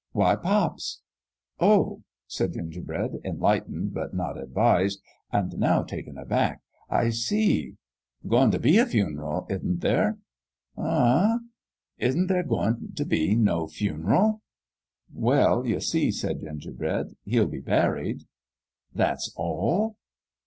"Why, pop's!" "Oh!" said Gingerbread, enlightened but not advised, and now taken aback. " I see." " Coin' t' be a fun'l, isn't there ?" "Eh?" " Isn't there goin' t' be no fun'l ?" "Well, you see," said Gingerbread, "he'll be buried." "That all?"